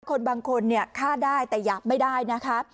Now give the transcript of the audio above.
คนบางคนเนี่ยฆ่าได้แต่หยาบไม่ได้นะครับ